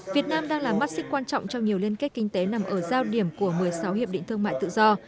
việt nam đang là mắt xích quan trọng trong nhiều liên kết kinh tế nằm ở giao điểm của một mươi sáu hiệp định thương mại tự do